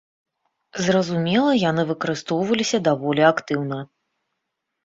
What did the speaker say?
Зразумела, яны выкарыстоўваліся даволі актыўна.